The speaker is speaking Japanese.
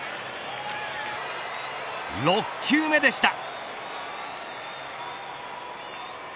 ６球目でした。